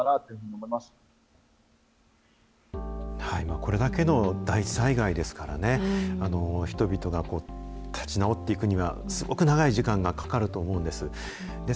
これだけの大災害ですからね、人々が立ち直っていくには、すごく長い時間がかかると思うんです。